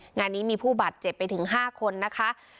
งานนี้มีผู้บาดเจ็บไปถึง๕คนนะคะ